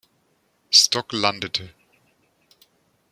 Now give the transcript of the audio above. Stock landete.